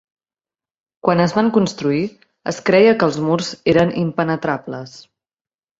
Quan es van construir, es creia que els murs eren impenetrables.